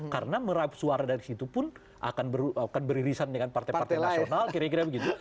karena merap suara dari situ pun akan beririsan dengan partai partai nasional kira kira begitu